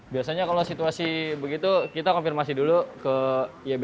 biasanya kalau situasi begitu kita konfirmasi dulu ke ybri